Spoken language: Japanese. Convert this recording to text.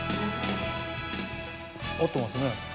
合ってますね。